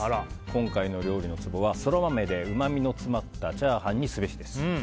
今回の料理のツボはソラマメでうまみの詰まったチャーハンにすべしです。